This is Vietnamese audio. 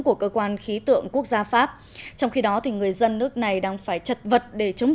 của cơ quan khí tượng quốc gia pháp trong khi đó người dân nước này đang phải chật vật để chống